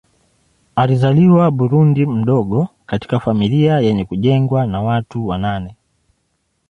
Alizaliwa Burundi mdogo katika familia yenye kujengwa na watu wa nane.